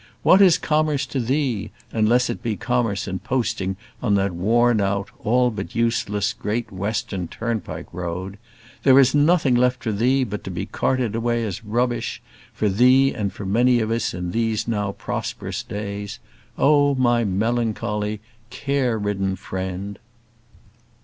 What is commerce to thee, unless it be commerce in posting on that worn out, all but useless great western turnpike road? There is nothing left for thee but to be carted away as rubbish for thee and for many of us in these now prosperous days; oh, my melancholy, care ridden friend!